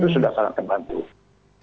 itu sudah sangat membantu